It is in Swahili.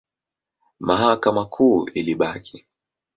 Mahakama Kuu ilibaki.